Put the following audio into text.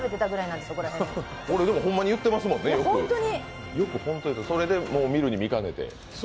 でもホンマに言ってますもんね、それで見るに見かねて？